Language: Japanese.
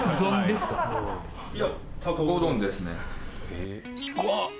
えっ？